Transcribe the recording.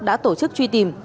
đã tổ chức truy tìm